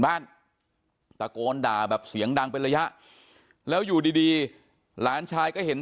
บ้านตะโกนด่าแบบเสียงดังเป็นระยะแล้วอยู่ดีดีหลานชายก็เห็น